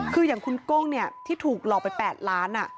คืออย่างคุณก้งที่ถูกหลอกไป๘ล้าน